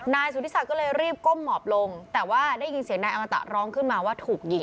นายสุธิศักดิ์ก็เลยรีบก้มหมอบลงแต่ว่าได้ยินเสียงนายอมตะร้องขึ้นมาว่าถูกยิง